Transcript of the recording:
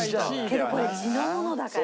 けどこれ地のものだからね。